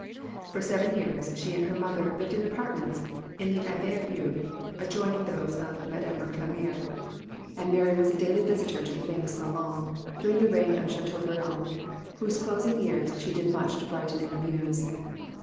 For seven years she and her mother lived in apartments in the Abbaye au Bois, adjoining those of Madame Récamier, and Mary was a daily visitor to the famous salon during the reign of Chateaubriand, whose closing years she did much to brighten and amuse.